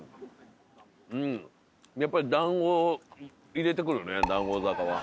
やっぱり「ダンゴ」入れてくるね談合坂は。